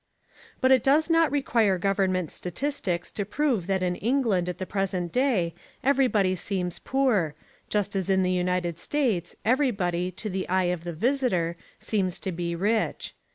But it does not require government statistics to prove that in England at the present day everybody seems poor, just as in the United States everybody, to the eye of the visitor, seems to be rich.